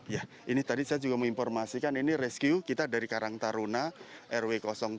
ya ini tadi saya juga menginformasikan ini rescue kita dari karang taruna rw tujuh